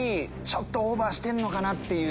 オーバーしてんのかなっていう。